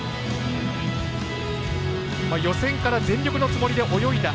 予選から全力のつもりで泳いだ。